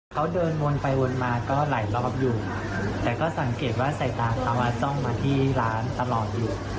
เขาเดินวนไปวนมาก็หลายรอบอยู่แต่ก็สังเกตว่าสายตาเขาจ้องมาที่ร้านตลอดอยู่